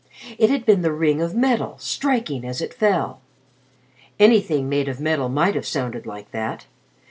It had been the ring of metal, striking as it fell. Anything made of metal might have sounded like that.